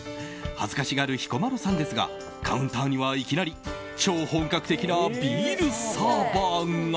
恥ずかしがる彦摩呂さんですがカウンターには、いきなり超本格的なビールサーバーが。